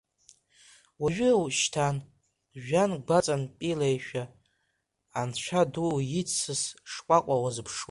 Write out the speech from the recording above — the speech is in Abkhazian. Уажәы-ушьҭан жәҩан гәаҵантәилеиша, анцәа ду иҭсыс шкәакәа уазыԥшуеит.